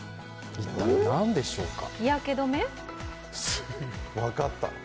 一体、何でしょうか？